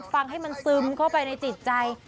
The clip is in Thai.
ฟังให้มันซึมเข้าไปในจิตใจ